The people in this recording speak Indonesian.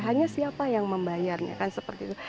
hanya siapa yang membayarnya kan seperti itu